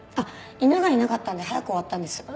犬がいなかったんで早く終わったんです。